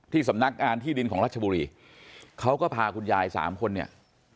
สำนักงานที่ดินของรัชบุรีเขาก็พาคุณยายสามคนเนี่ย